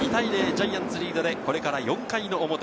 ジャイアンツリードでこれから４回表。